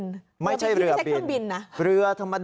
ไม่ใช่เรือบินเรือพลาสติกพิเศษขึ้นบินนะคุณกำลังพูดถึงเรือบินไม่ใช่เรือบิน